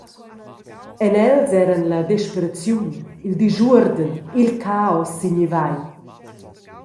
En els eran la desperaziun, il disuorden, il caos s’ignivai.